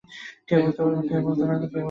কে বলতে পারবে?